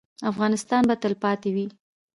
افغانستان به تلپاتې وي